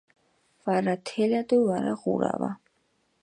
ვარა თელა დო ვარა ღურავა